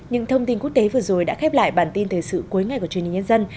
những thông tin quốc tế vừa rồi đã khép lại bản tin thời sự cuối ngày của truyền hình nhân dân